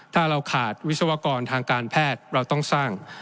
ถ้าเราขาดวิศวกรทางการแพทย์เราต้องสร้าง